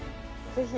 ぜひ。